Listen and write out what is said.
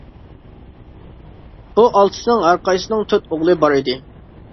بۇ ئالتىسىنىڭ ھەرقايسىسىنىڭ تۆت ئوغلى بار ئىدى.